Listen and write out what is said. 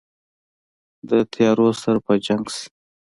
د تیارو سره په جنګ شي